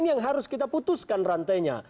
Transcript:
ini yang harus kita putuskan rantainya